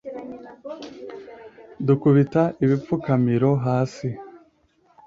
dukubita ibipfukamiro hasi